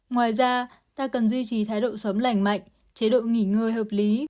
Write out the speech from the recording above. ngoài ra ta cần duy trì thái độ sớm lành mạnh chế độ nghỉ ngơi hợp lý